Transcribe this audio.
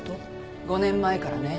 ５年前からね。